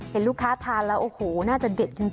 เห็นลูกค้าทานแล้วโอ้โหน่าจะเด็ดจริง